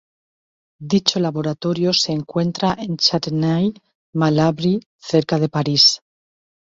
Dicho laboratorio se encuentra en Châtenay-Malabry, cerca de París.